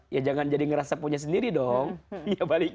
ya jangan jadi ngerasa punya sendiri dong ya balik